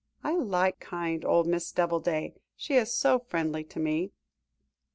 I like kind old Miss Doubleday, she is so friendly to me."